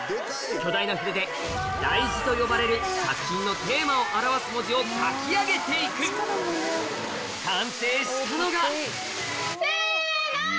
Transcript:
巨大な筆で大字と呼ばれる作品のテーマを表す文字を書き上げて行く完成したのがせの！